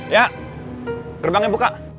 ya gerbangnya buka